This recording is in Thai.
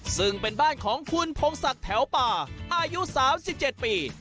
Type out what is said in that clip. ซึ่งเป็นบ้านของคุณพงศักดิ์แถวป่าอายุ๓๗ปี